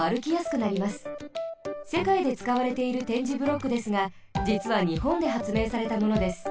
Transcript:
せかいでつかわれている点字ブロックですがじつはにほんではつめいされたものです。